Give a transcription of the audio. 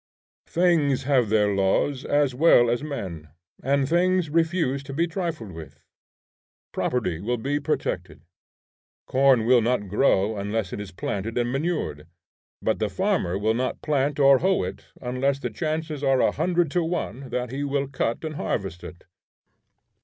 Things have their laws, as well as men; and things refuse to be trifled with. Property will be protected. Corn will not grow unless it is planted and manured; but the farmer will not plant or hoe it unless the chances are a hundred to one that he will cut and harvest it.